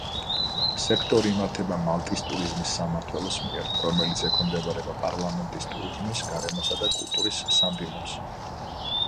სექტორი იმართება მალტის ტურიზმის სამმართველოს მიერ, რომელიც ექვემდებარება პარლამენტის ტურიზმის, გარემოსა და კულტურის სამდივნოს.